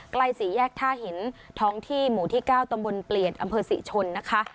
สี่แยกท่าหินท้องที่หมู่ที่๙ตำบลเปลี่ยนอำเภอศรีชนนะคะ